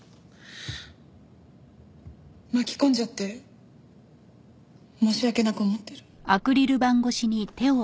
巻き込んじゃって申し訳なく思ってる。